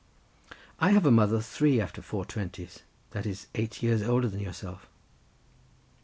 "I have a mother three after four twenties; that is eight years older than yourself."